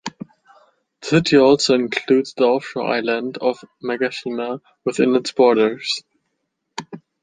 The city also includes the offshore island of Mageshima within its borders.